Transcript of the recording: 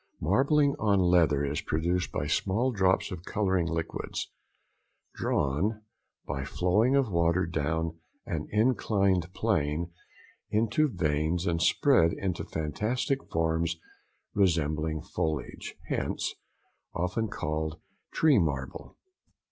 Marbling on leather is produced by small drops of colouring liquids, drawn, by the flowing of water down an inclined plane, into veins and spread into fantastic forms resembling foliage—hence, often called tree marble.